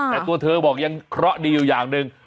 แต่ตัวเธอบอกยังเคราะห์ดีอยู่อย่างหนึ่ง